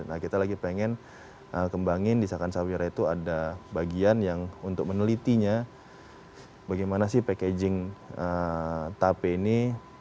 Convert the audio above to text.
nah kita lagi pengen kembangin di sakan sawira itu ada bagian yang untuk menelitinya bagaimana sih packaging tape ini